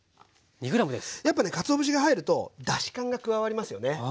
やっぱねかつお節が入るとだし感が加わりますよね。